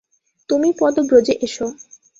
তুমি পদব্রজে এস!